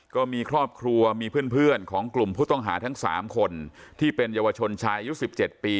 ก็มีครอบครัวมีเพื่อนเพื่อนของกลุ่มผู้ต้องหาทั้งสามคนที่เป็นเยาวชนชายุดสิบเจ็ดปี